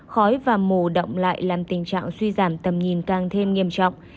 khói và mù động lại làm tình trạng suy giảm tầm nhìn càng thêm nghiêm trọng